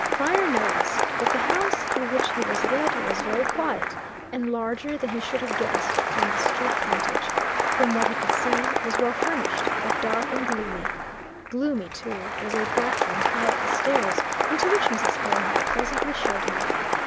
Viner noticed that the house through which he was led was very quiet, and larger than he should have guessed at from the street frontage. From what he could see, it was well furnished, but dark and gloomy; gloomy, too, was a back room, high up the stairs, into which Mrs. Killenhall presently showed him.